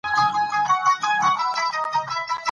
ازادي راډیو د د تګ راتګ ازادي اړوند شکایتونه راپور کړي.